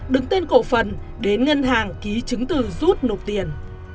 đứng tên cổ phần đến ngân hàng ký chứng từ rút nộp tiền